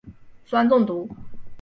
酸中毒。